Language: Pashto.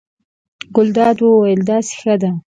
ګلداد وویل: داسې ښه دی.